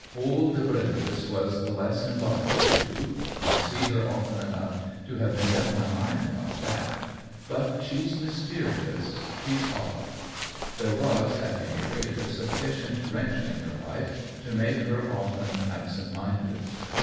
Paule de Brindes was the fess in love of the two; I see her often enough to have made up my mind about that. But she's mysterious, she's odd; there was, at any rate, a sufficient wrench in her life to make her often absent minded.